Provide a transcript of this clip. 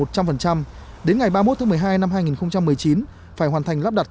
đến ngày ba mươi một tháng một mươi hai năm hai nghìn một mươi chín phải hoàn thành lắp đặt